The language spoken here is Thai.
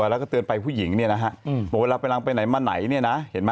แล้วก็เตือนไปผู้หญิงว่าเวลาไปรังไปไหนมาไหน